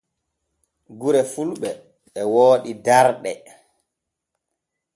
Gure fulɓe e wooɗi darɗe.